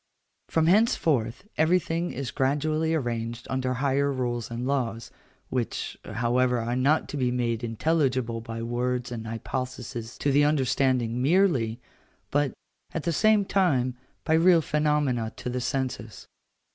From henceforth everything is gradually arranged under higher rules and laws, which, however, are not to be made intelligible by words and hypotheses to the understanding merely, but, at the same time, by real phenomena to the senses.